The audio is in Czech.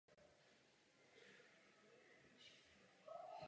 Jedná se o nejvyšší horu Kambodže.